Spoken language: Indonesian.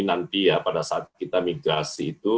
nanti ya pada saat kita migrasi itu